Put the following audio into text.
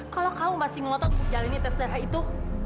kalau kamu masih ngotot untuk jalan ini terserah itu